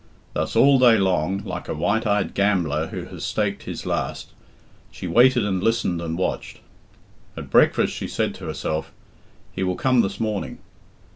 Thus all day long, like a white eyed gambler who has staked his last, she waited and listened and watched. At breakfast she said to herself, "He will come this morning."